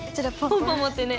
ポンポンもってね。